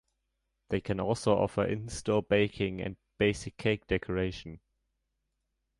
They can also offer in-store baking and basic cake decoration.